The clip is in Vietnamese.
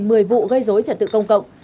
một mươi vụ gây dối trật tự công cộng